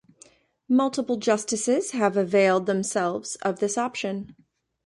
Multiple Justices have availed themselves of this option.